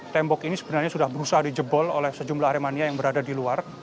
tembok ini sebenarnya sudah berusaha dijebol oleh sejumlah aremania yang berada di luar